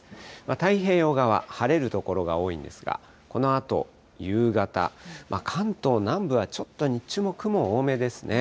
太平洋側、晴れる所が多いんですが、このあと夕方、関東南部はちょっと日中も雲、多めですね。